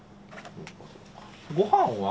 ごはんは？